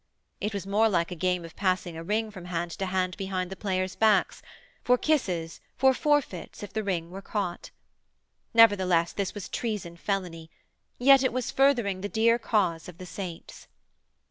It was more like a game of passing a ring from hand to hand behind the players' backs, for kisses for forfeits if the ring were caught. Nevertheless, this was treason felony; yet it was furthering the dear cause of the saints.